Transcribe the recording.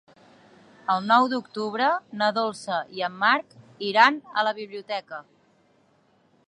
El nou d'octubre na Dolça i en Marc iran a la biblioteca.